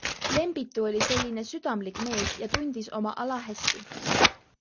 Lembitu oli selline südamlik mees ja tundis oma ala hästi.